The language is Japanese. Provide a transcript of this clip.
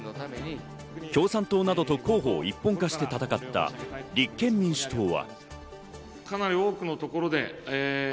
共産党などと候補を一本化して戦った立憲民主党は。